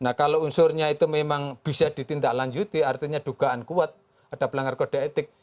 nah kalau unsurnya itu memang bisa ditindaklanjuti artinya dugaan kuat ada pelanggar kode etik